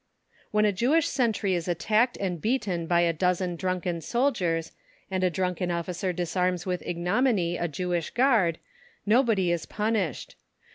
When a Jewish sentry is attacked and beaten by a dozen drunken soldiers, and a drunken officer disarms with ignominy a Jewish guard, nobody is punished.